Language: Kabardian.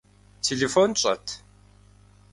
Телефон щӏэт?